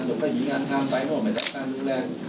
ถึงก็มีงานทำไปมันเป็นการรักษาดูแล